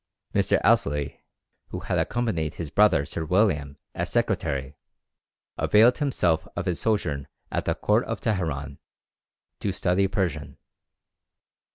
Mr. Ouseley, who had accompanied his brother Sir William as secretary, availed himself of his sojourn at the Court of Teheran to study Persian.